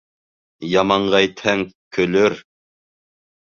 Яманға әйтһәң, көлөр.